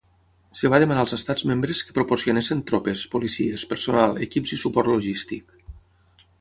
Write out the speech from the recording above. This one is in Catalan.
Es va demanar als Estats membres que proporcionessin tropes, policies, personal, equips i suport logístic.